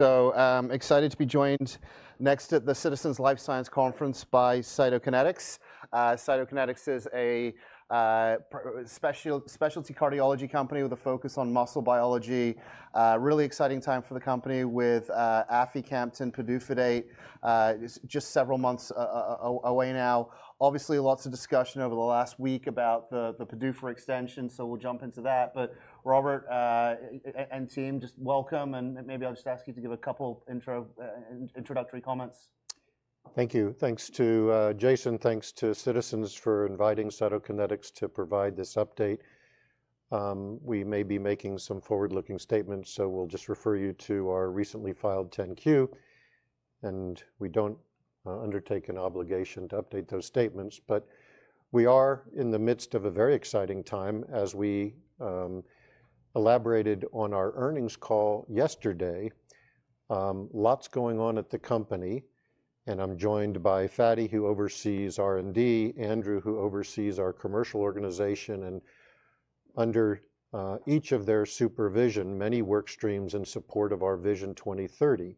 Excited to be joined next at the Citizens Life Science Conference by Cytokinetics. Cytokinetics is a specialty cardiology company with a focus on muscle biology. Really exciting time for the company with Aficamten, PDUFA date just several months away now. Obviously, lots of discussion over the last week about the PDUFA extension, so we'll jump into that. Robert and team, just welcome, and maybe I'll just ask you to give a couple of introductory comments. Thank you. Thanks to Jason, thanks to Citizens for inviting Cytokinetics to provide this update. We may be making some forward-looking statements, so we'll just refer you to our recently filed 10-Q, and we don't undertake an obligation to update those statements. We are in the midst of a very exciting time. As we elaborated on our earnings call yesterday, lots going on at the company, and I'm joined by Fady, who oversees R&D, Andrew, who oversees our commercial organization, and under each of their supervision, many work streams in support of our Vision 2030,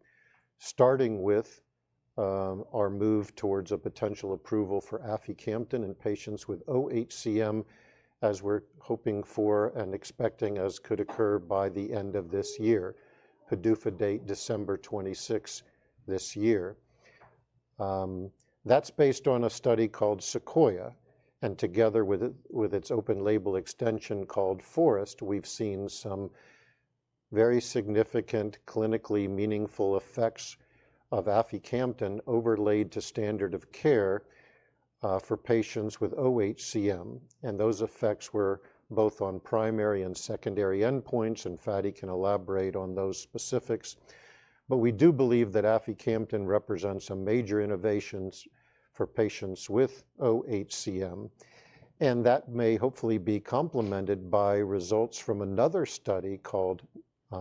starting with our move towards a potential approval for Aficamten in patients with OHCM, as we're hoping for and expecting as could occur by the end of this year. PDUFA date, December 26th this year. That's based on a study called Sequoia-HCM, and together with its open-label extension called Forest-HCM, we've seen some very significant, clinically meaningful effects of Aficamten overlaid to standard of care for patients with OHCM. Those effects were both on primary and secondary endpoints, and Fady can elaborate on those specifics. We do believe that Aficamten represents some major innovations for patients with OHCM, and that may hopefully be complemented by results from another study called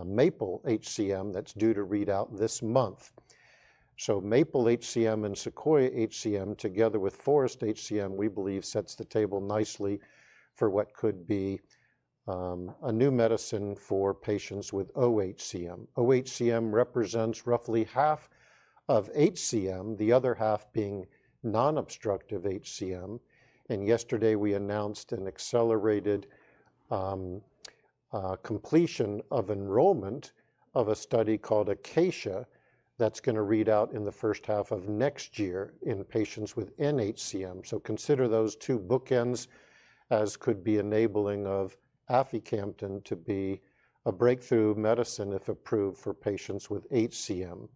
Maple-HCM that's due to read out this month. Maple-HCM and Sequoia-HCM, together with Forest-HCM, we believe sets the table nicely for what could be a new medicine for patients with OHCM. OHCM represents roughly half of HCM, the other half being non-obstructive HCM. Yesterday we announced an accelerated completion of enrollment of a study called Acacia that's going to read out in the first half of next year in patients with NHCM. Consider those two bookends as could be enabling of Aficamten to be a breakthrough medicine if approved for patients with HCM.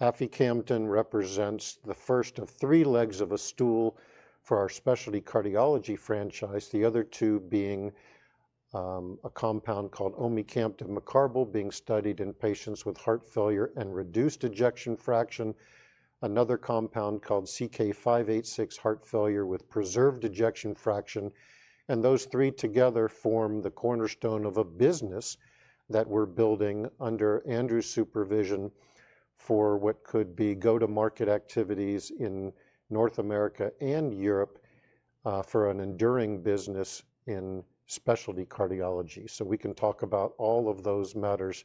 Aficamten represents the first of three legs of a stool for our specialty cardiology franchise, the other two being a compound called Omecamtiv Mecarbil, being studied in patients with heart failure and reduced ejection fraction, another compound called CK-586, heart failure with preserved ejection fraction, and those three together form the cornerstone of a business that we're building under Andrew's supervision for what could be go-to-market activities in North America and Europe, for an enduring business in specialty cardiology. We can talk about all of those matters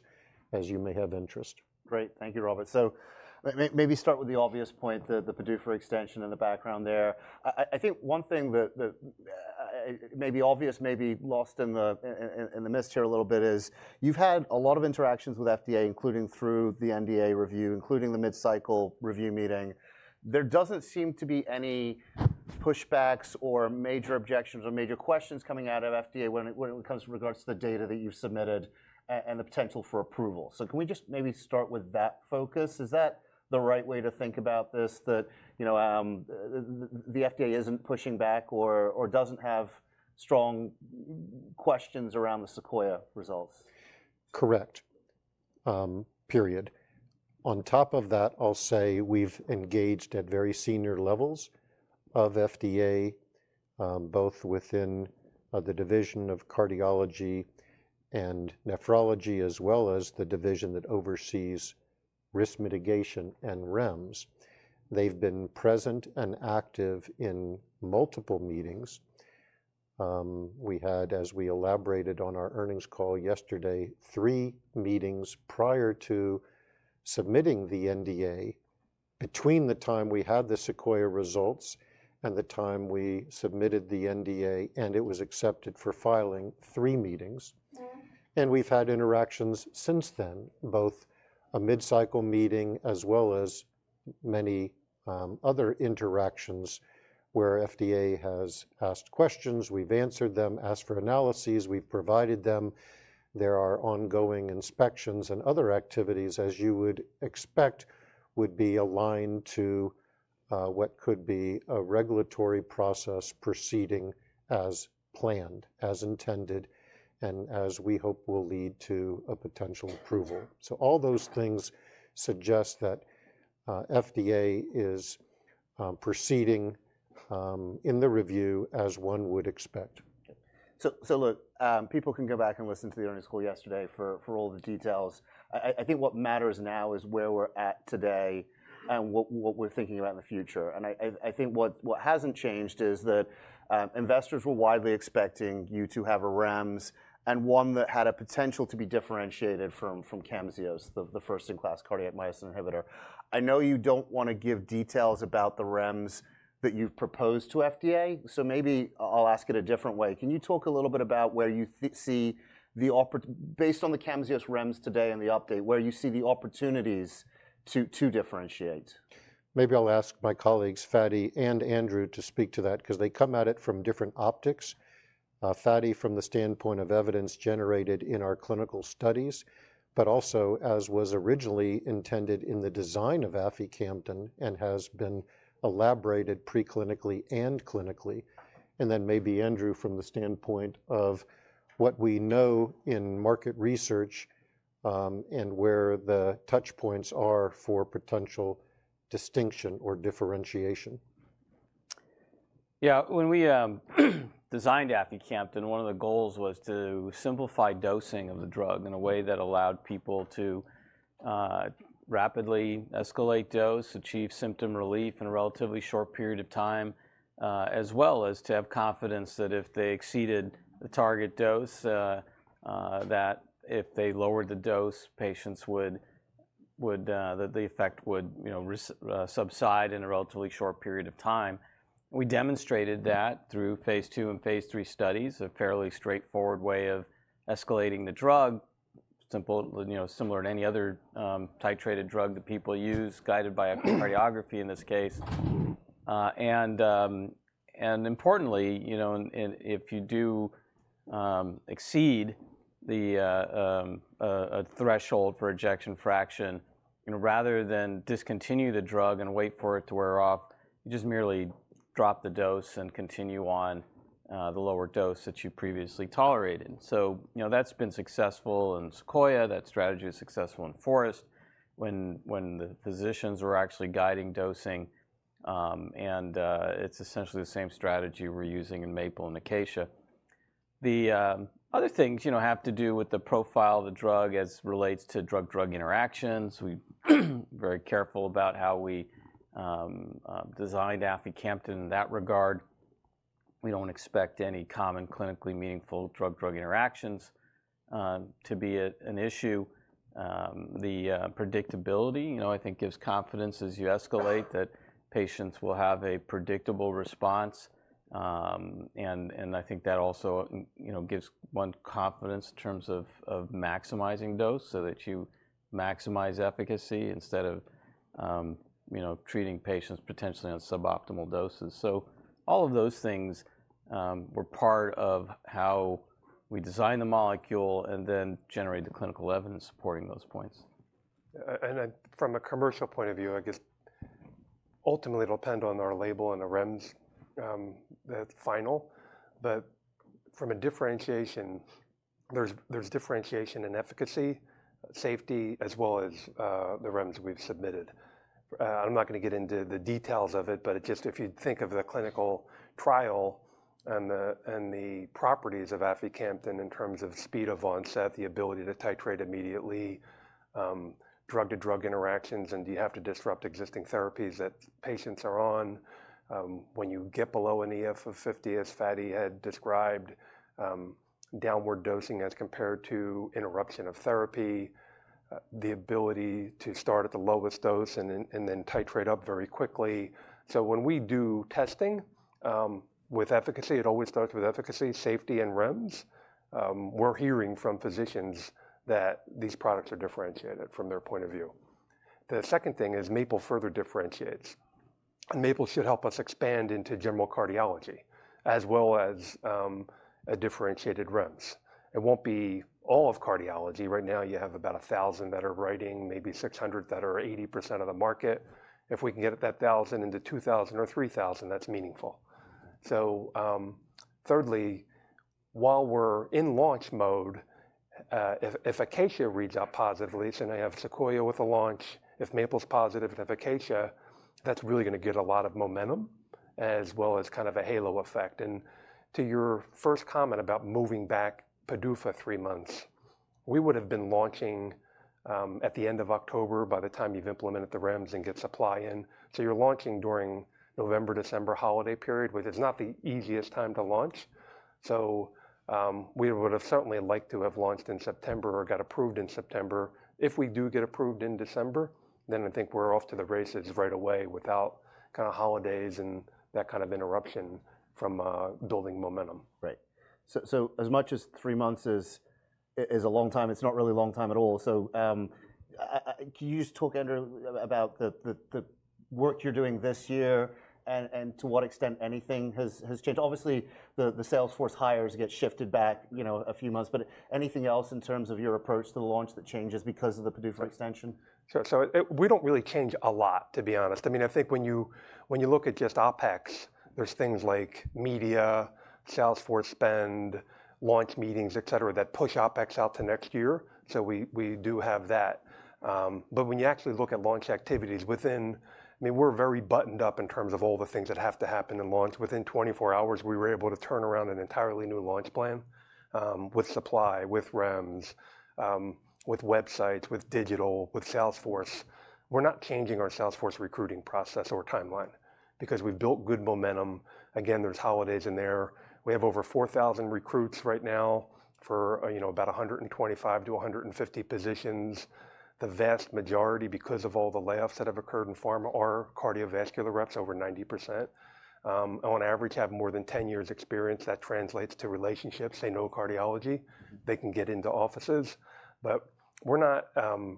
as you may have interest. Great. Thank you, Robert. Maybe start with the obvious point, the PDUFA extension in the background there. I think one thing that may be obvious, may be lost in the mist here a little bit, is you've had a lot of interactions with FDA, including through the NDA review, including the mid-cycle review meeting. There does not seem to be any pushbacks or major objections or major questions coming out of FDA when it comes in regards to the data that you've submitted and the potential for approval. Can we just maybe start with that focus? Is that the right way to think about this, that, you know, the FDA is not pushing back or does not have strong questions around the Sequoia results? Correct. On top of that, I'll say we've engaged at very senior levels of FDA, both within the division of cardiology and nephrology, as well as the division that oversees risk mitigation and REMS. They've been present and active in multiple meetings. We had, as we elaborated on our earnings call yesterday, three meetings prior to submitting the NDA between the time we had the Sequoia results and the time we submitted the NDA, and it was accepted for filing, three meetings. We've had interactions since then, both a mid-cycle meeting as well as many other interactions where FDA has asked questions, we've answered them, asked for analyses, we've provided them. There are ongoing inspections and other activities, as you would expect, would be aligned to what could be a regulatory process proceeding as planned, as intended, and as we hope will lead to a potential approval. All those things suggest that FDA is proceeding in the review as one would expect. Look, people can go back and listen to the earnings call yesterday for all the details. I think what matters now is where we're at today and what we're thinking about in the future. I think what hasn't changed is that investors were widely expecting you to have a REMS and one that had a potential to be differentiated from Kamzyos, the first-in-class cardiac myosin inhibitor. I know you don't want to give details about the REMS that you've proposed to FDA, so maybe I'll ask it a different way. Can you talk a little bit about where you see the opportunity based on the Kamzyos REMS today and the update, where you see the opportunities to differentiate? Maybe I'll ask my colleagues, Fady and Andrew, to speak to that because they come at it from different optics. Fady from the standpoint of evidence generated in our clinical studies, but also as was originally intended in the design of Aficamten and has been elaborated preclinically and clinically. Then maybe Andrew from the standpoint of what we know in market research, and where the touch points are for potential distinction or differentiation. Yeah, when we designed Aficamten, one of the goals was to simplify dosing of the drug in a way that allowed people to rapidly escalate dose, achieve symptom relief in a relatively short period of time, as well as to have confidence that if they exceeded the target dose, that if they lowered the dose, patients would, you know, that the effect would, you know, subside in a relatively short period of time. We demonstrated that through phase two and phase three studies, a fairly straightforward way of escalating the drug, simple, you know, similar to any other titrated drug that people use, guided by echocardiography in this case. And, importantly, you know, if you do exceed the threshold for ejection fraction, you know, rather than discontinue the drug and wait for it to wear off, you just merely drop the dose and continue on the lower dose that you previously tolerated. You know, that's been successful in Sequoia, that strategy is successful in Forest when the physicians were actually guiding dosing, and it's essentially the same strategy we're using in Maple and Acacia. The other things, you know, have to do with the profile of the drug as it relates to drug-drug interactions. We're very careful about how we designed Aficamten in that regard. We don't expect any common clinically meaningful drug-drug interactions to be an issue. The predictability, you know, I think gives confidence as you escalate that patients will have a predictable response. and I think that also, you know, gives one confidence in terms of maximizing dose so that you maximize efficacy instead of, you know, treating patients potentially on suboptimal doses. So all of those things were part of how we designed the molecule and then generate the clinical evidence supporting those points. From a commercial point of view, I guess ultimately it'll depend on our label and the REMS, that final. From a differentiation, there's differentiation in efficacy, safety, as well as the REMS we've submitted. I'm not going to get into the details of it, but if you think of the clinical trial and the properties of Aficamten in terms of speed of onset, the ability to titrate immediately, drug-to-drug interactions, and you have to disrupt existing therapies that patients are on, when you get below an EF of 50%, as Fady had described, downward dosing as compared to interruption of therapy, the ability to start at the lowest dose and then titrate up very quickly. When we do testing, with efficacy, it always starts with efficacy, safety, and REMS. We're hearing from physicians that these products are differentiated from their point of view. The second thing is Maple further differentiates. Maple should help us expand into general cardiology as well as a differentiated REMS. It won't be all of cardiology. Right now you have about 1,000 that are writing, maybe 600 that are 80% of the market. If we can get that 1,000 into 2,000 or 3,000, that's meaningful. Thirdly, while we're in launch mode, if Acacia reads out positively, now you have Sequoia with a launch, if Maple's positive with Acacia, that's really going to get a lot of momentum as well as kind of a halo effect. To your first comment about moving back PDUFA three months, we would have been launching at the end of October by the time you've implemented the REMS and get supply in. You're launching during the November-December holiday period, which is not the easiest time to launch. We would have certainly liked to have launched in September or got approved in September. If we do get approved in December, then I think we're off to the races right away without holidays and that kind of interruption from building momentum. Right. As much as three months is a long time, it's not really a long time at all. Can you just talk, Andrew, about the work you're doing this year and to what extent anything has changed? Obviously, the Salesforce hires get shifted back a few months, but anything else in terms of your approach to the launch that changes because of the PDUFA extension? Sure. We don't really change a lot, to be honest. I mean, I think when you look at just OpEx, there's things like media, Salesforce spend, launch meetings, et cetera, that push OpEx out to next year. We do have that. When you actually look at launch activities within, I mean, we're very buttoned up in terms of all the things that have to happen in launch. Within 24 hours, we were able to turn around an entirely new launch plan, with supply, with REMS, with websites, with digital, with Salesforce. We're not changing our Salesforce recruiting process or timeline because we've built good momentum. Again, there's holidays in there. We have over 4,000 recruits right now for, you know, about 125-150 positions. The vast majority, because of all the layoffs that have occurred in pharma, are cardiovascular reps, over 90%. On average, have more than 10 years' experience. That translates to relationships. They know cardiology. They can get into offices. But we're not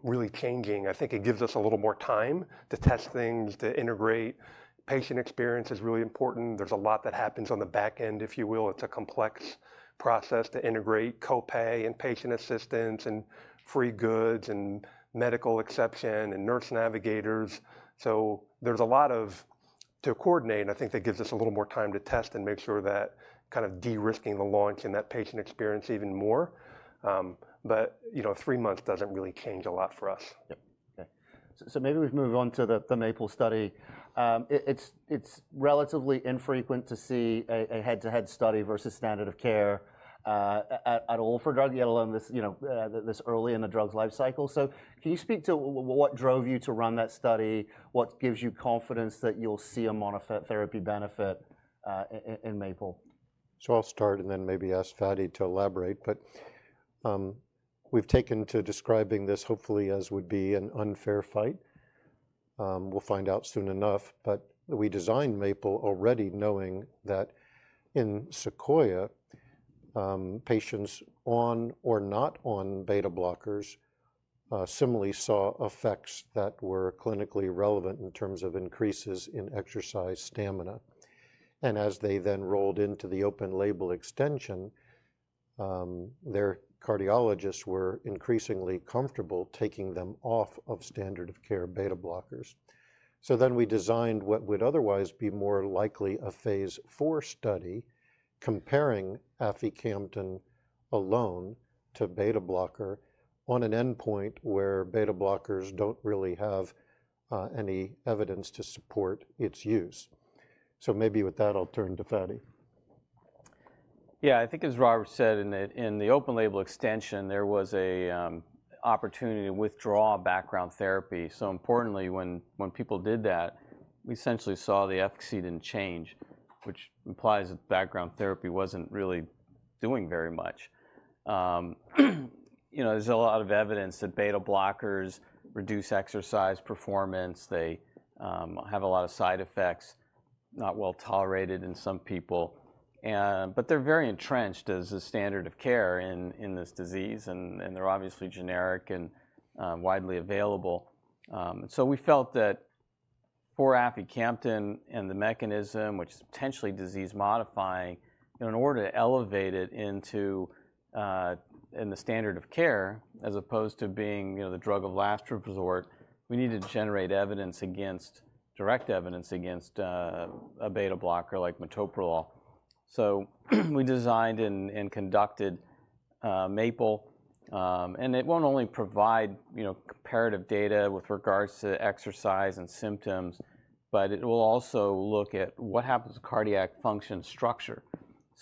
really changing. I think it gives us a little more time to test things, to integrate. Patient experience is really important. There's a lot that happens on the back end, if you will. It's a complex process to integrate copay and patient assistance and free goods and medical exception and nurse navigators. So there's a lot to coordinate. I think that gives us a little more time to test and make sure that kind of de-risking the launch and that patient experience even more. But, you know, three months doesn't really change a lot for us. Yep. Okay. Maybe we move on to the Maple study. It's relatively infrequent to see a head-to-head study versus standard of care at all for a drug, let alone this early in the drug's life cycle. Can you speak to what drove you to run that study? What gives you confidence that you'll see a monotherapy benefit, in Maple? I'll start and then maybe ask Fady to elaborate. We've taken to describing this hopefully as would be an unfair fight. We'll find out soon enough. We designed Maple already knowing that in Sequoia, patients on or not on beta blockers similarly saw effects that were clinically relevant in terms of increases in exercise stamina. As they then rolled into the open label extension, their cardiologists were increasingly comfortable taking them off of standard of care beta blockers. We designed what would otherwise be more likely a phase four study comparing Aficamten alone to beta blocker on an endpoint where beta blockers do not really have any evidence to support its use. Maybe with that, I'll turn to Fady. Yeah, I think as Robert said, in the open label extension, there was a opportunity to withdraw background therapy. Importantly, when people did that, we essentially saw the efficacy did not change, which implies that background therapy was not really doing very much. You know, there is a lot of evidence that beta blockers reduce exercise performance. They have a lot of side effects, not well tolerated in some people. They are very entrenched as a standard of care in this disease, and they are obviously generic and widely available. We felt that for Aficamten and the mechanism, which is potentially disease modifying, in order to elevate it into the standard of care as opposed to being, you know, the drug of last resort, we needed to generate evidence against, direct evidence against, a beta blocker like metoprolol. We designed and conducted Maple. and it won't only provide, you know, comparative data with regards to exercise and symptoms, but it will also look at what happens to cardiac function structure.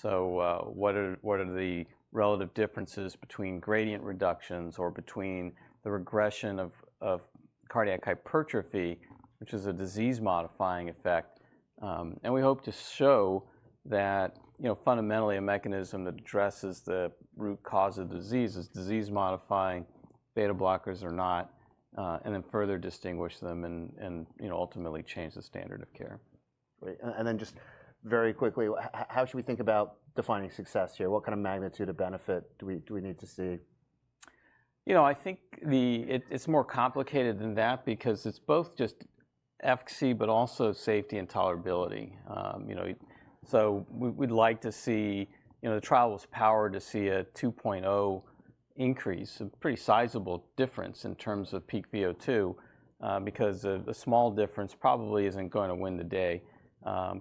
What are the relative differences between gradient reductions or between the regression of cardiac hypertrophy, which is a disease modifying effect. We hope to show that, you know, fundamentally a mechanism that addresses the root cause of disease is disease modifying. Beta blockers are not, and then further distinguish them and, you know, ultimately change the standard of care. Great. And then just very quickly, how should we think about defining success here? What kind of magnitude of benefit do we, do we need to see? You know, I think it's more complicated than that because it's both just efficacy, but also safety and tolerability. You know, so we'd like to see, you know, the trial was powered to see a 2.0 increase, a pretty sizable difference in terms of peak VO2, because a small difference probably isn't going to win the day.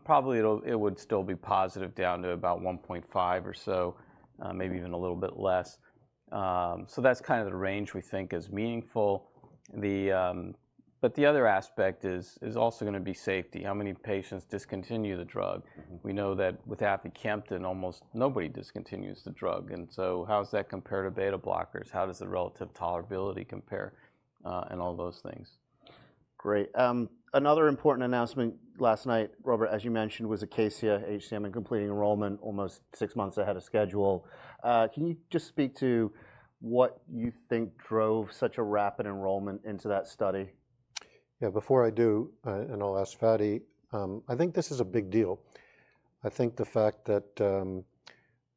Probably it'll, it would still be positive down to about 1.5 or so, maybe even a little bit less. That's kind of the range we think is meaningful. The other aspect is also going to be safety. How many patients discontinue the drug? We know that with Aficamten, almost nobody discontinues the drug. How does that compare to beta blockers? How does the relative tolerability compare, and all those things? Great. Another important announcement last night, Robert, as you mentioned, was Acacia-HCM and completing enrollment almost six months ahead of schedule. Can you just speak to what you think drove such a rapid enrollment into that study? Yeah, before I do, and I'll ask Fady, I think this is a big deal. I think the fact that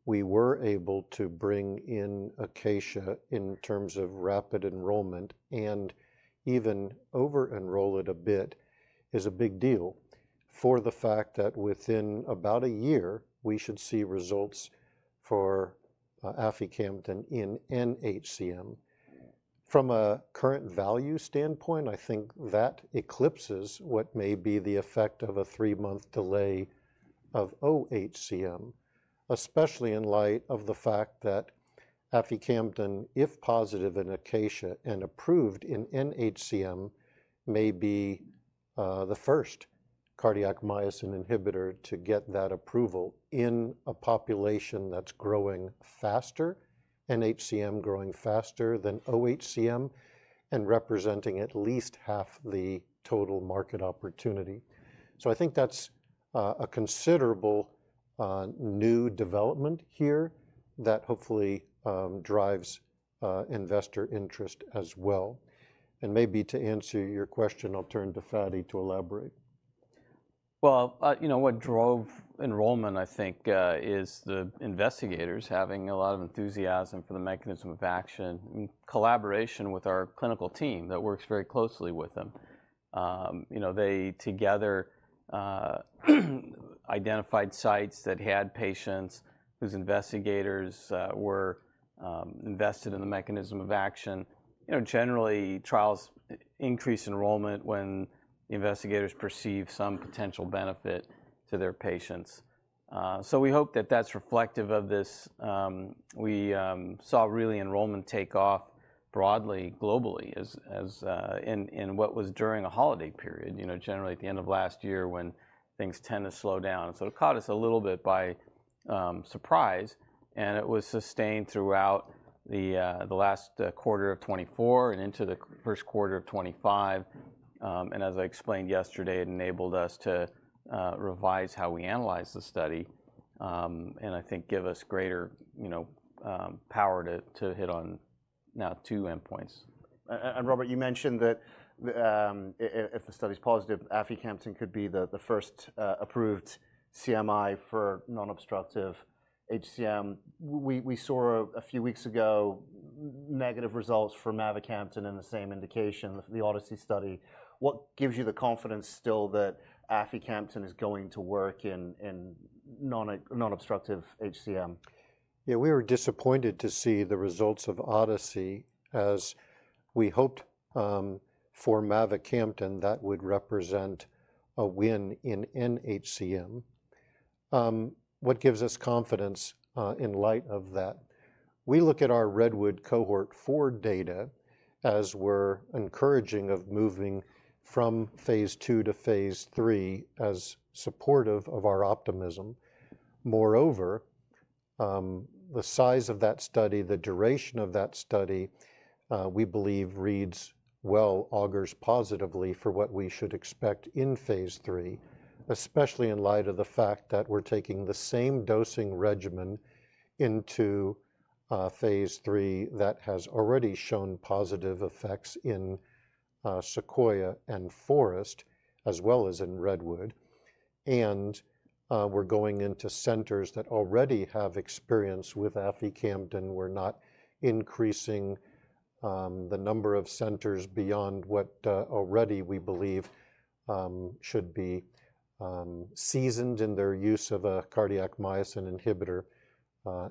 we were able to bring in Acacia in terms of rapid enrollment and even over-enroll it a bit is a big deal for the fact that within about a year, we should see results for Aficamten in NHCM. From a current value standpoint, I think that eclipses what may be the effect of a three-month delay of OHCM, especially in light of the fact that Aficamten, if positive in Acacia and approved in NHCM, may be the first cardiac myosin inhibitor to get that approval in a population that's growing faster, NHCM growing faster than OHCM and representing at least half the total market opportunity. I think that's a considerable, new development here that hopefully drives investor interest as well. Maybe to answer your question, I'll turn to Fady to elaborate. You know, what drove enrollment, I think, is the investigators having a lot of enthusiasm for the mechanism of action, collaboration with our clinical team that works very closely with them. You know, they together identified sites that had patients whose investigators were invested in the mechanism of action. You know, generally trials increase enrollment when investigators perceive some potential benefit to their patients. We hope that that's reflective of this. We saw really enrollment take off broadly globally as, in what was during a holiday period, you know, generally at the end of last year when things tend to slow down. It caught us a little bit by surprise, and it was sustained throughout the last quarter of 2024 and into the first quarter of 2025. As I explained yesterday, it enabled us to revise how we analyze the study, and I think give us greater, you know, power to hit on now two endpoints. Robert, you mentioned that, if the study's positive, Aficamten could be the first approved CMI for non-obstructive HCM. We saw a few weeks ago negative results for mavacamten in the same indication, the Odyssey study. What gives you the confidence still that Aficamten is going to work in non-obstructive HCM? Yeah, we were disappointed to see the results of Odyssey as we hoped, for mavacamten that would represent a win in NHCM. What gives us confidence, in light of that? We look at our Redwood cohort four data as we're encouraging of moving from phase two to phase three as supportive of our optimism. Moreover, the size of that study, the duration of that study, we believe reads well, augers positively for what we should expect in phase three, especially in light of the fact that we're taking the same dosing regimen into phase three that has already shown positive effects in Sequoia and Forest, as well as in Redwood. We are going into centers that already have experience with Aficamten. We're not increasing the number of centers beyond what already we believe should be seasoned in their use of a cardiac myosin inhibitor,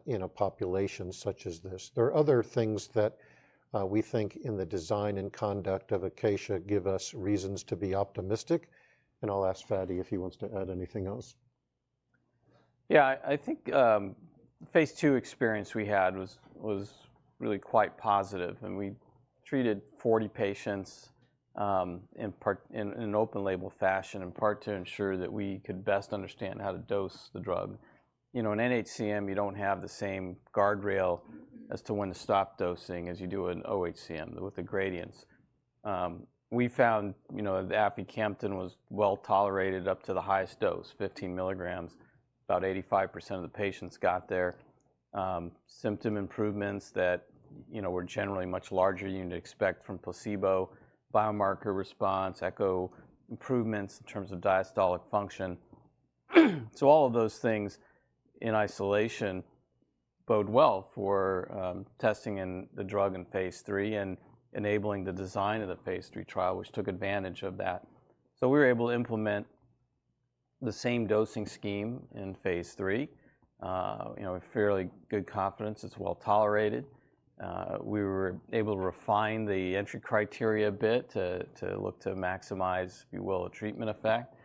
in a population such as this. There are other things that, we think in the design and conduct of Acacia-HCM give us reasons to be optimistic. I'll ask Fady if he wants to add anything else. Yeah, I think, phase two experience we had was, was really quite positive. We treated 40 patients, in part in an open label fashion, in part to ensure that we could best understand how to dose the drug. You know, in NHCM, you don't have the same guardrail as to when to stop dosing as you do in OHCM with the gradients. We found, you know, that Aficamten was well tolerated up to the highest dose, 15 milligrams. About 85% of the patients got there. Symptom improvements that, you know, were generally much larger than you'd expect from placebo, biomarker response, echo improvements in terms of diastolic function. All of those things in isolation bode well for testing the drug in phase three and enabling the design of the phase three trial, which took advantage of that. We were able to implement the same dosing scheme in phase three, you know, with fairly good confidence. It's well tolerated. We were able to refine the entry criteria a bit to, to look to maximize, if you will, a treatment effect.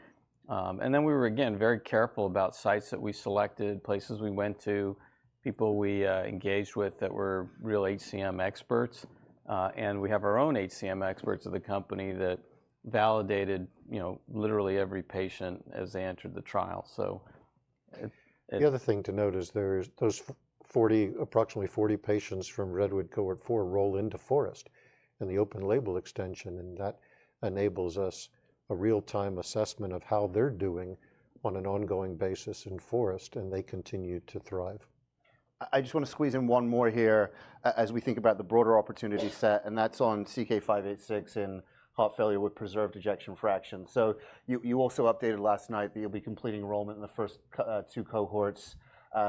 We were again very careful about sites that we selected, places we went to, people we engaged with that were real HCM experts. We have our own HCM experts at the company that validated, you know, literally every patient as they entered the trial. The other thing to note is there's those 40, approximately 40 patients from Redwood cohort four roll into Forest in the open label extension, and that enables us a real-time assessment of how they're doing on an ongoing basis in Forest, and they continue to thrive. I just want to squeeze in one more here as we think about the broader opportunity set, and that's on CK-586 in heart failure with preserved ejection fraction. You also updated last night that you'll be completing enrollment in the first two cohorts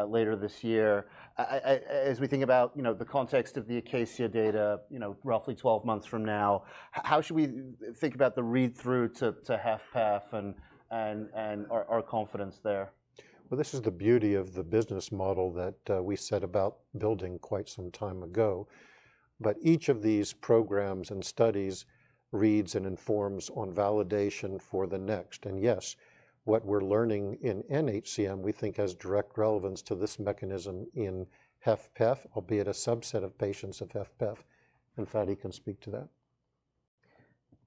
later this year. As we think about, you know, the context of the Acacia-HCM data, you know, roughly 12 months from now, how should we think about the read-through to HFpEF and our confidence there? This is the beauty of the business model that we set about building quite some time ago. Each of these programs and studies reads and informs on validation for the next. Yes, what we're learning in NHCM, we think has direct relevance to this mechanism in half-path, albeit a subset of patients of half-path. Fady can speak to that.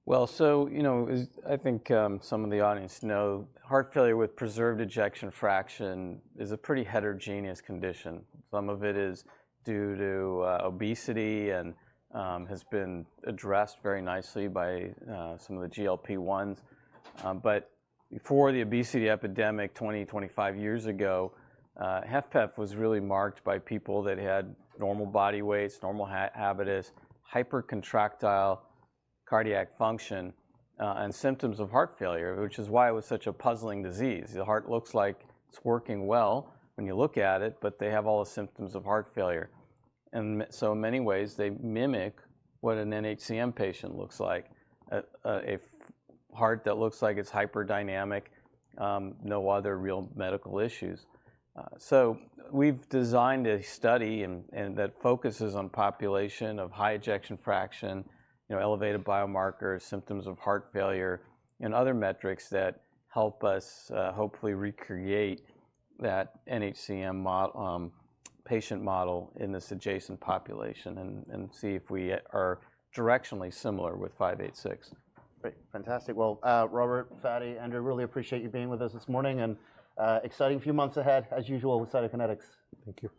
You know, I think some of the audience know heart failure with preserved ejection fraction is a pretty heterogeneous condition. Some of it is due to obesity and has been addressed very nicely by some of the GLP-1s. Before the obesity epidemic 20-25 years ago, half-path was really marked by people that had normal body weights, normal habitus, hypercontractile cardiac function, and symptoms of heart failure, which is why it was such a puzzling disease. The heart looks like it's working well when you look at it, but they have all the symptoms of heart failure. In many ways, they mimic what an NHCM patient looks like, a heart that looks like it's hyperdynamic, no other real medical issues. We've designed a study that focuses on a population of high ejection fraction, you know, elevated biomarkers, symptoms of heart failure, and other metrics that help us hopefully recreate that NHCM model, patient model in this adjacent population and see if we are directionally similar with 586. Great. Fantastic. Robert, Fady, Andrew, really appreciate you being with us this morning and, exciting few months ahead as usual with Cytokinetics. Thank you.